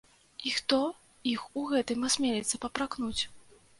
І хто іх у гэтым асмеліцца папракнуць?